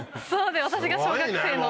私が小学生の。